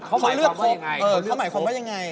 เข้าหมายความว่ายังไง